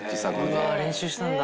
うわあ練習したんだ。